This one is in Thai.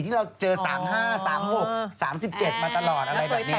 ที่เราเจอ๓๕๓๖๓๗มาตลอดอะไรแบบนี้